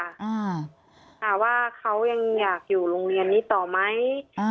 ถามว่าเขายังอยากอยู่โรงเรียนนี้ต่อไหม